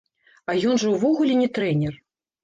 А ён жа ўвогуле не трэнер!